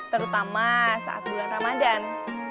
terutama saat bulan ramadhan